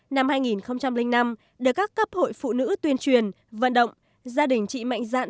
năm hai nghìn năm được các cấp hội phụ nữ tuyên truyền vận động gia đình chị mạnh dạn